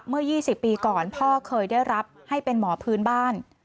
เมื่อ๒๐ปีก่อนพ่อเคยได้รับให้เป็นหมอพื้นบ้าน